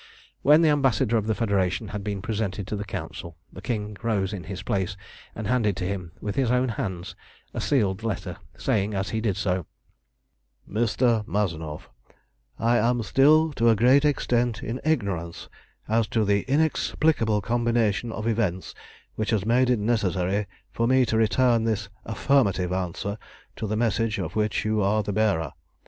When the Ambassador of the Federation had been presented to the Council, the King rose in his place and handed to him with his own hands a sealed letter, saying as he did so "Mr. Mazanoff, I am still to a great extent in ignorance as to the inexplicable combination of events which has made it necessary for me to return this affirmative answer to the message of which you are the bearer.